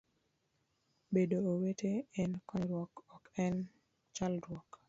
Bedo owete en konyruok ok en chalruok